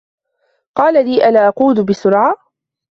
قال لي ألا أقود بسرعة.